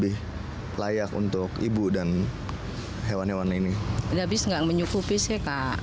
habis nggak menyukupi sih kak